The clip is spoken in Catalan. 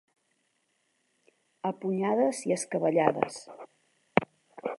A punyades i escabellades.